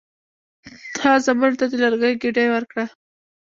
هغه زامنو ته د لرګیو ګېډۍ ورکړه.